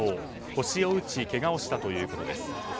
腰を打ちけがをしたということです。